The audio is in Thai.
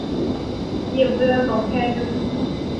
เหยียบเรือสองแคม